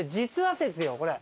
説よこれ。